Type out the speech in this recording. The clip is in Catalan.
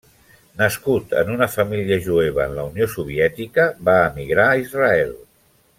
Nascut en una família jueva en la Unió Soviètica, va emigrar a Israel.